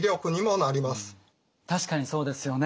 確かにそうですよね。